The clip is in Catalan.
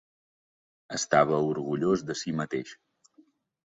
Estava orgullós de si mateix.